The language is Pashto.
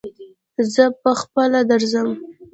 زه پهخپله درځم.